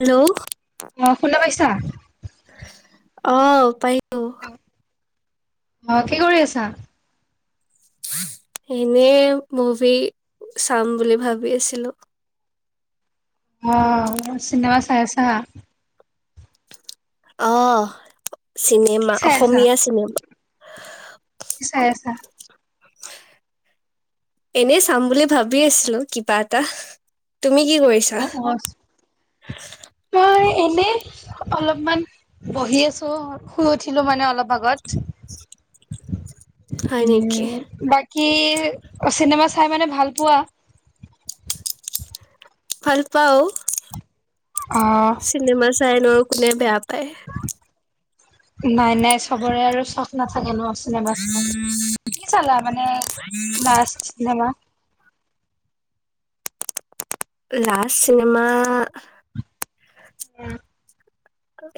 Hello অ', শুনা পাইছা। অহ [unintelligible] অ কি কৰি আছা? এনে মুভি চাম বুলি ভাবি আছিলো। অ', চিনেমা চাই আ চা অ' কি চিনেমা চাই আছা অসমীয়া চিনেমা। কি চাই আছা? এনে চাম বুলি ভাবি আছিলো কিবা এটা তুমি কি কৰিছা। অ অ মই এনে অলপমান বহি আছো, শুই উঠিলো মানে অলপ আগত। হয় উ, নেকি বাকী অ চিনেমা চাই মানে ভাল পোৱা? ভাল পাওঁ। অ চিনেমা চাইন কোনে বেয়া পায় নাই, নাই চবৰে আৰু চখ নাথাকে নো চিনেমা [unintelligible] কি চালা মানে? Last cinema. Last cinema. উম।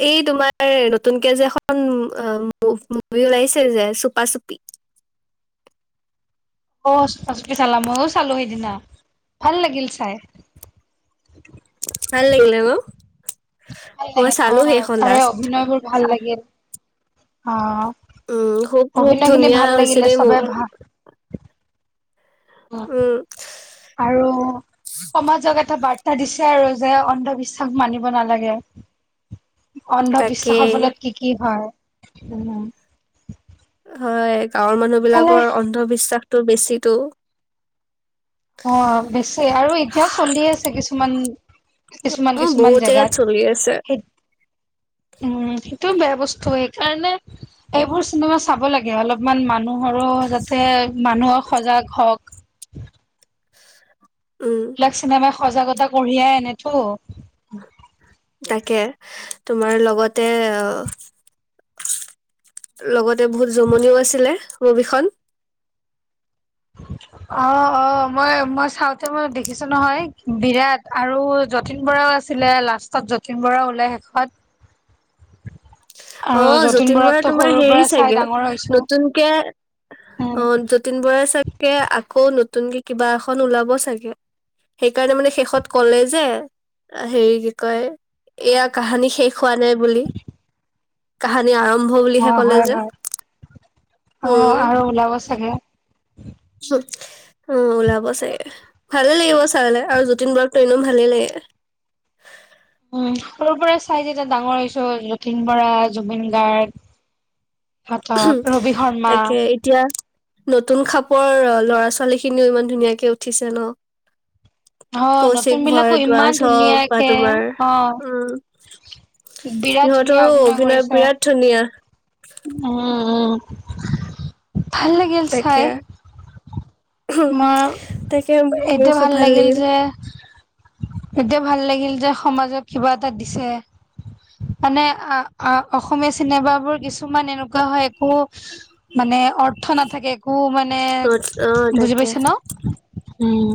এই তোমাৰ নতুনকে যেখন [inaudible] বিওাইছে যে চুপাছুপি অ' [unintelligible] চালা ময়ো চালো সেইদিনা, ভাল লাগিল চাই। ভাল লাগিল ম ভাল, লাগে অ তাৰে অভিনয়বোৰ ভাল লাগিল অ', উম খুব খুব অভিনয় খিনি ধুনীয়া ভাল হৈছে লাগিলে দেই মোৰ চবে ভাল। অ' উম আৰু সমাজ জগতক বাৰ্তা দিছে আৰু। জে অন্ধবিশ্বাস মানিব নালাগে। তাকে অন্ধবিশ্বাসৰ ফলত কি কি হয়, উম। হয় গাঁৱৰ মানুহ মানে বিলাকৰ অন্ধবিশ্বাসটো বেছিতো। অ' বেছি আৰু এতিয়াও চলি আছে কিছুমান কিছুমান অ কিছুমান বহুত জেগাত চলি আছে সেইট উম, খে এইটো বেয়া বস্তু সেইকাৰণে এইবোৰ চিনেমা চাব লাগে অলপমান মানুহৰো যাতে মানুহক সজাগ হওক। উম এইবিলাক চিনেমাই সজাগতা কঢ়িয়াই আনেতো। তাকে তোমাৰ লগতে, অ' লগতে বহুত জমনিও আছিলে মুভিখন। [inaudible] অ', অ' মই মই চাউতে মই দেখিছো নহয় বিৰাট আৰু যতীন বৰাও আছিলে লাষ্টত যতীন বৰা ওলাই শেষত। আৰু অ' যতীন বৰা বৰাকতো তোমাৰ সৰুৰ হেৰি পৰা চাই চাগে ডাঙৰ হৈছো নতুনকে উম, অ' যতীন বৰাই চাগে আকৌ নতুনকে কিবা এখন ওলাব চাগে। সেইকাৰণে মানে শেষত কলে যে, হেৰি কি কয় এয়া কাহানী শেষ হোৱা নাই বুলি কাহানী আৰম্ভ [unintelligible] বুলিহে অ', কলে হয়, যে, হয়, অ', উম। আৰু ওলাব চাগে অৱ, ওলাব চাগে, ভালে লাগিব ছাবলে আৰু যতীন বৰাক [unintelligible] ভালেই লাগে। উম, সৰুৰ পৰা চাই যেতিয়া ডাঙৰ হৈছো যতীন বৰা জুবিন গাৰ্গ। ঘাতক, ৰবি শৰ্মা তাকে, এতিয়া নতুন খাপ [unintelligible] ল'ৰা ছোৱালী খিনিও ইমান ধুনীয়াকে উঠিছে ন। অ', নতুন কৌচিক বিলাকো ইমান ভৰদ্বাজ হক বা ধুনীয়াকে তোমাৰ, অ', উম বিৰাট ধুনীয়া সিহঁতৰো অভিনয় কৰিছে বিৰাট ধুনীয়া। উম, উম, ভাল লাগিল চাই। তাকে। মৰ তাকে মোৰো এইটো খুব ভাল লাগিল যে এতিয়া ভাল লাগিল যে সমাজক কিবা এটা দিছে। মানে আ-আ-অসমীয়া চিনেমাবোৰ কিছুমান এনেকুৱা হয় কো মানে অৰ্থ নাথাকে একো মানে অ', বুজি তাকে পাইছা ন? উম।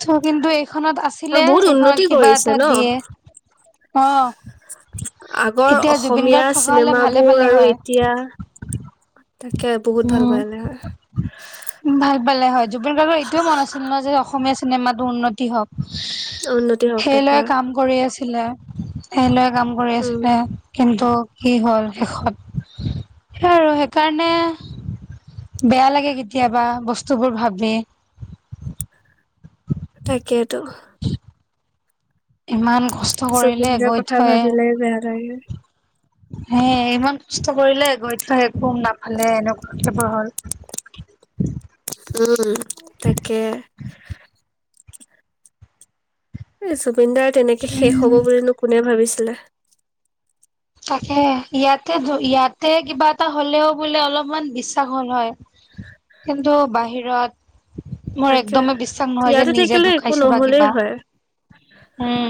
ত, কিন্তু এইখনত আৰু আছিলে, বহুত এইখনত উন্নতি কিবা কৰিছে এটা ন। দিয়ে। অ'। আগৰ এতিয়া জুবিন অসমীয়া গাৰ্গ থকা হলে ভালে চিনেমাবোৰ পালে আৰু হয়। এতিয়া তাকে বহুত ভাল উম, পালে ভাল পালে হয়। জুবিন গাৰ্গৰ এইটোৱে মন আছিল নহয় যে, অসমীয়া চিনেমাটো উন্নতি হওক? উন্নতি হওক সেই তাকে লয় কাম কৰি আছিল। এনেই কাম কৰি উম, আছিল [unintelligible] ত কি হ'ল শেষত? সেই আৰু সেইকাৰণে বেয়া লাগে কেতিয়াবা বস্তুবোৰ ভাবি। তাকেইেতো। [inaudible] ইমান কষ্ট কৰিলে জুবিনদাৰ গৈ কথা থয়ে ভাবিলে বেয়া লাগে। হে ইমান কষ্ট কৰিলে গৈ থয় একো নাপালে এনেকুৱা কথাবোৰ হ'ল। [inaudible] উম, তাকে। এই জুবিনদাৰ তেনেকে শেষ হব বুলিনো কোনে ভাবিছিলে? তাকে ইয়াতে ইয়াতে কিবা এটা হ'লেও বোলে অলপমান বিশ্বাস হ'ল হয়। কিন্তু বাহিৰত মোৰ তাকে। একদমেই বিশ্বাস নহয় যে ইয়াতে নিজে থাকিলে একো ঢুকাইছে বা নহ'লেই কিবা। হয়, উম।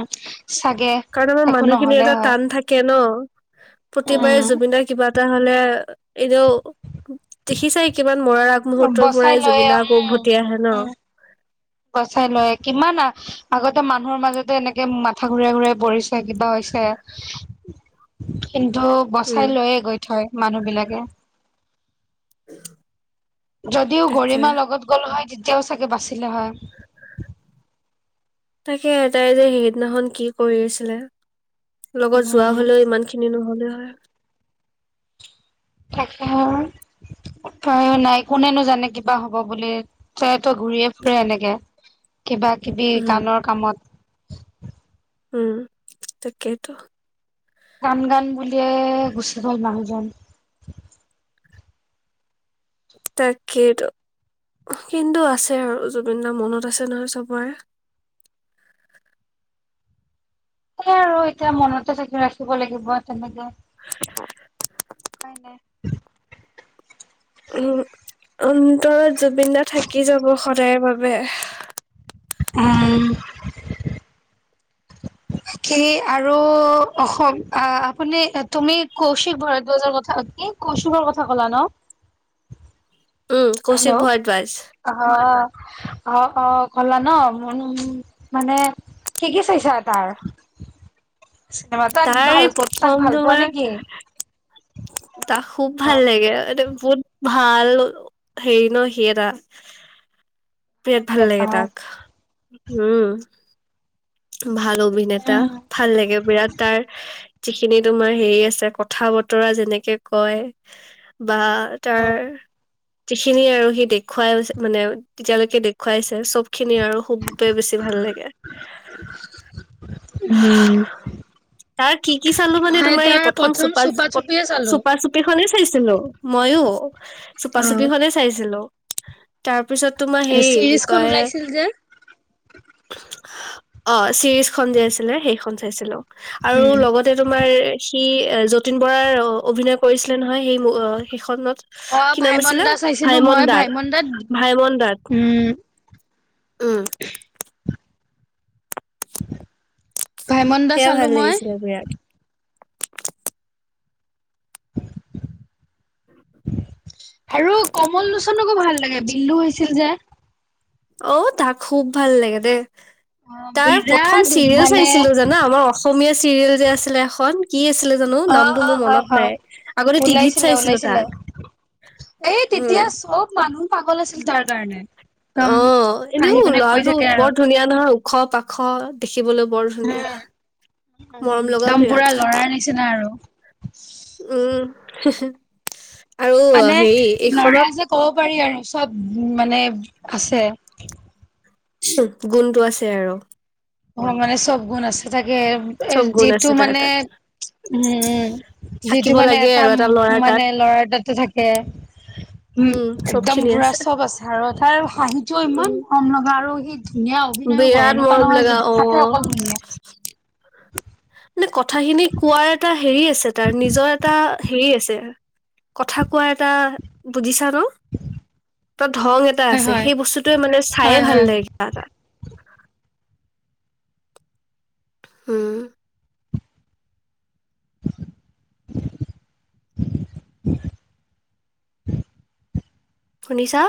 চাগে কাৰণ আমাৰ একো মানুহখিনিৰ নহ'লে এটা হয় টান থাকে নহ। প্ৰতিবাৰে উম জুবিন দাৰ কিবা এটা হলে এনেও দেখিছাই কিমান মৰাৰ আগমুহূৰ্তৰ বচাই পৰাই জুবিন দা আকৌ উভতি আহে নহ। গচাই লয় কিমান আ আগতে। এয়া মানুহৰ মাজতে এনেকে মাথা ঘূৰাই ঘূৰাই পৰিছে কিবা হৈছে। কিন্তু বচাই উম। লৈয়ে গৈ থয় মানুহবিলাকে। [unintelligible] যদিও তাকে, গৰিমা লগত গ'ল হয় তেতিয়াও চাগে বাচিলে হয়। তাকে তাই যে সেইদিনাখন কি কৰি আছিলে? লগত যোৱা উম হ'লেও ইমান খিনি নহ'লে হয়। তাকেই। তায় নাই কোনেনো জানে কিবা হ'ব বুলি তাই ত ঘূৰিয়ে ফুৰে এনেকে। কিবা কিবি উম, গানৰ কামত। উম তাকেইটো। গান গান বুলিয়ে গুচি গল মানুহজন। তাকেইতো। কিন্তু আছে আৰু জুবিন দা মনত আছে নহ চবৰে। [unintelligible] সেইয়াই আৰু এতিয়া মনতে ঢাকি ৰাখিব লাগিব তেনেকে। উপাই নাই। উম, অন্তৰত জুবিন দা থাকি যাব সদায় বাবে। উম। কি আৰু অসম আপুনি তুমি কৌশিক ভাৰদ্বাজৰ কথা। কি কৌশিক ৰ কথা ক'লা নহ। উম, হেল্ল' কৌশিক ভৰদ্বাজ অহ অ, অ, গলা নহ মানে। কি কি চাইছা তাৰ? চিনেমা তাক তাৰ ভাল এই তাক প্ৰথম ভাল পোৱা তোমাৰ নেকি? তাক খুব ভাল অ' লাগে একদম। বহুত ভাল হেৰি ন সি এটা। বিৰাট ভাল অভিনেতা লাগে অ' তাক উম। ভাল অভিনেতা। উম ভাল লাগে বিৰাট তাৰ যিখিনি তোমাৰ হেৰি আছে কথা বতৰা যেনেকে কয় বা তাৰ যিখিনি আৰু সি দেখুৱাই মানে তেতিয়ালৈকে দেখুৱাইছে চব খিনি আৰু খুবেই বেছি। ভাল লাগে। উম। তাৰ কি কি চালো মানে মই তোমাৰ এই তাৰ প্ৰথম চোপাৰ চুপা চুপিয়ে চালো চুপা, চুপি খনেই চাইছিলো। মইও চুপা চুপি অ' খনে চাইছিলো। তাৰ তাৰপিছত তোমাৰ হেৰি কি চিৰিজ খন কয়। ওলাইছিল যে অহ, চিৰিজ খন যে আছিলে সেইখন চাইছিলো। আৰু উম লগতে তোমাৰ সি যতীন বৰাৰ অভিনয় কৰিছিলে নহয় সেই সেইখনত অ' কি নাম ভাইমন আছিলে দা চাইছিলো মই ভাইমণদাক ভাইমন দাত ভাইম দাক। উম। উম। ভাইমণ্ডা সেয়া চালোঁ ভাল মই। লাগিছিলে বিৰাট আৰু কমল লোচনকো ভাল ভাল লাগে, বিল্লু হৈছিল যে। অঔ তাক খুব ভাল লাগে দে। [inaudible] তাৰ প্ৰথম বিৰাট চিৰিয়েল মানে চাইছিলো জানা, আমাৰ অসমীয়া চিৰিয়েল যে আছিলে এখন। কি আছিলে জানো? অ নামতটো অ মোৰ হয় মনত হয় নাই, আগতে টিভিত ওলাইছিলে চাইছিলো ওলাইছিলে তাক। এই উম তেতিয়া চব মানুহ পাগল আছিল তাৰ কাৰণে। একদম অ আহি এনেও পিনে কৈ লৰাটো থাকে আৰু বৰ ধুনীয়া নহয় ওখ পাখ দেখ মৰম লগা একদম বিৰাট পুৰা লৰাৰ নিচিনা আৰু উম। আৰু মানে হেৰি লৰা এইখনত যে ক'ব পাৰি আৰু চব উ মানে আছে। গুণটো আছে আৰু। অ' মানে চব গুণ আছে, টাকে চব গুণ যিটো আছে তাৰ মানে তাত উম যিটো থাকিব মানে লাগে এটা আৰু ল'ৰাৰ মানে তাত ল'ৰাৰ এটাত এটো থাকে। উম একদম পুৰা চব আছে আৰু তাৰ হাঁহিটোও ইমান উম মৰম লগা আৰু সি ধুনীয়া অভিনয়ো কৰে বিৰাট এনেকুৱা মৰম নহয় যে লগা অ দেখাতে অকল ধুনীয়া। মানে কথাখিনি কোৱাৰ এটা হেৰি আছে তাৰ নিজৰ এটা হেৰি আছে কথা কোৱা এটা বুজিছা ন? তাত ধং এটা হয়, আছে, হয়, সেই বস্তুটোৱে মানে চায়ে হয়, ভাল হয়। লাগে কিবা এটা। হ'ম। শুনিছা?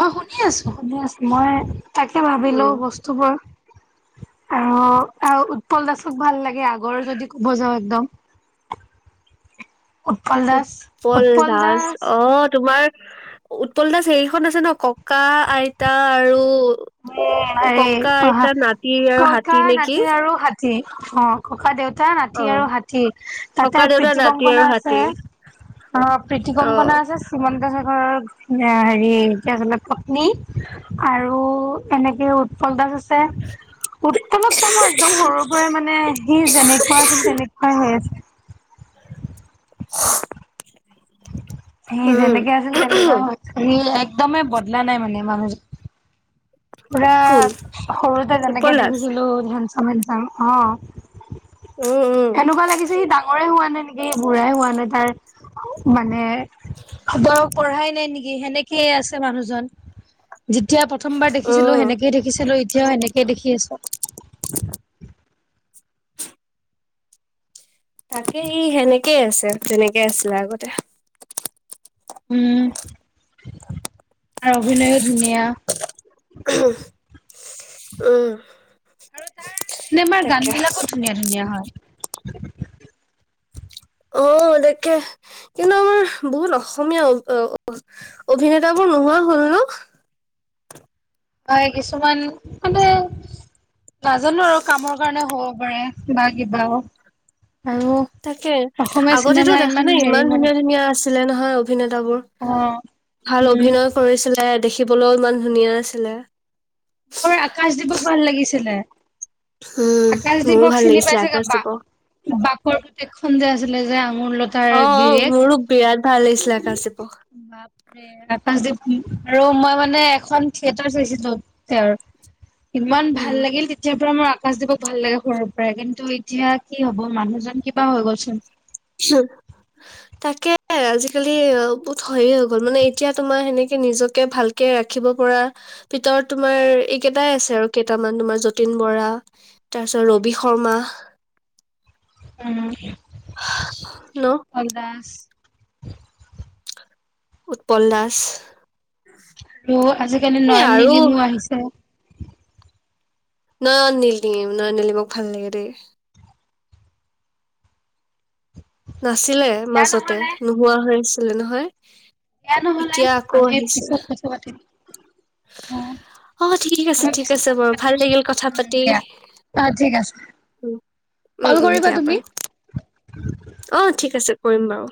অ শুনি আছো শুনি আছো মই তাকে ভাবিলো উম বস্তুবোৰ অ' আও উৎপল দাসক ভাল লাগে আগৰ যদি কব যাও একদম। উৎপল দাস অ' তোমাৰ উৎপল দাস সেই খনন আছে ন ককা আইতা আৰু ককা অহা আইতা নাতি আৰু হাতী ককা নেকি নাতিৰ আৰু হাতি। অ' ককা দেউতা নাতি অ আৰু হাতী, তাতে ককা দেউতা প্ৰীতি নাতি আৰু কংকনা আছে। হাতী অ' পীতি অ কংকনা আছে শ্ৰীমন্ত চেকৰ আৰু হেৰি এতিয়া আচলতে পত্নী আৰু এনেকে উৎপল দাস আছ ছে উৎপলক ত মই একদম সৰুৰ পৰাই মানে সি যেনেকুৱা আছিল তেনেকুৱাই হৈ আছে [inaudible] সি উম যেনেকে আছিল তেনেকুৱা হৈ একদমেই বদলা নাই মানে মানুহজন পুৰা কোন সৰুতে যেনেকে উৎপল দাস দেখিছিলো ধেনচাম হেনচাম অ উম উম এনেকুৱা লাগিছে সি ডাঙৰে হোৱা নাই নেকি বুঢ়াই হোৱা নাই। তাৰ মানে বয়স পঢ়াই নাই নেকি সেনেকেই আছে মানুহজন যেতিয়া প্ৰথ দেখিছিলো উম সেনেকেইে দেখিছিলো এতিয়াও সেনেকেই দেখি আছো। তাকে ই সেনেকেই আছে, যেনেকে আছিলে আগতে। উম আৰু অভিনয়ো ধুনীয়া। উম। চিনেমাৰ গান তাকে বিলাকো ধুনীয়া ধুনীয়া হয়। অ' দেখে কিন্তু আমাৰ বহুত অসমীয়া অভিনেতাৰবোৰ [unintelligible] হয় কিছুমান মানে নাজানো আৰু কামৰ কাৰণে হ'ব পাৰে। বাকি [unintelligible] তাকে আগতেতো চিনেমা দেখা নাই হেৰি ইমান হোৱা নাই ধুনীয়া ধুনীয়া আছ নহয় অভিনেতবোৰ অ ভাল উম অভিনয় কৰিছিল হ'লেও ইমান ধুনীয়া আছিলে মোৰ আকাশদ্বীপক ভাল লাগিছিলে উম আকাশ মোৰো দিপক ভাল চিনি লাগিছিলে পাইছেগে আকাশ বা দীপক বাকৰ পুতেকখন যে আছিলে যে আঙুৰলতাৰ অ অ গিৰিয়েক মোৰো বিৰাট ভাল লাগিছিলে আকাশ দীপক আকাশদ্বীপ আৰু মই মানে এখন থিয়েটাৰ চাইছিলো তেওঁৰ ইমান উম ভাল লাগিল তেতিয়াৰ পৰা মই আকাচ দিপক ভাল লাগে সৰুৰ পৰাই কিন্তু এতিয়া কি হব মানুহজন কিবা হৈ গ'লচোন উ [unintelligible] তাকে আজিকালি বহুত হৈ গ'ল মানে এতিয়া তোমাৰ সেনেকে নিজকে ভালকে ৰাখিব পৰা ভিতৰত তোমাৰ এইকেইটাই আছে আৰু কেইটামান তোমাৰ যতীন বৰা তাৰপিছত ৰবি শৰ্মা উম ন অ' দাস উৎপল দাস অ', আজিকালি এ নয়ন আৰু নেলিমো আহিছে নয়ন নিলিম নয়ন নিলিমক ভাল লাগে দ নাছিলে মাজতে নহলে নোহোৱা হৈ আছিলে নহয়। দিয়া নহলে এতিয়া আকৌ আমি আহিছে পিছত কথা পাতিম অ' ঠিক আছে আমি ঠিক পিছত আছে কথা বাৰু ভাল পাতিম লাগিল কথা পাতি উম দিয়া অ ঠিক আছে উ উম কল উম কৰিবা দিয়া তুমি বাৰু অ' ঠিক আছে কৰিম বাৰু